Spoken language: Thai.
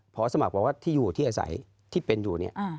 พอสมัครบอกว่าที่อยู่ที่อาศัยที่เป็นอยู่เนี่ย